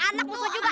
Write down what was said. anak musuh juga